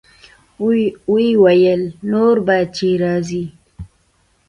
ويې ويل نور به چې راځې.